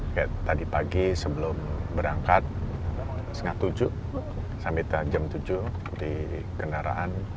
kayak tadi pagi sebelum berangkat setengah tujuh sampai jam tujuh di kendaraan